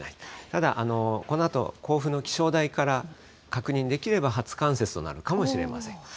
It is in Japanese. ただ、このあと、甲府の気象台から確認できれば初冠雪となるかもしれません。